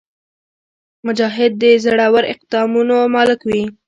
مجاهد د زړور اقدامونو مالک وي.